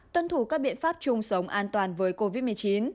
tuân thủ các biện pháp chung sống an toàn với covid một mươi chín